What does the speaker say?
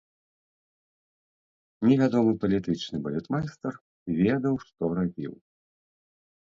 Невядомы палітычны балетмайстар ведаў, што рабіў.